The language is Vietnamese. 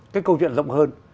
cái câu chuyện rộng hơn